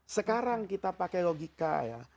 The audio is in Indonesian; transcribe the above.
sekarang kita pakai logika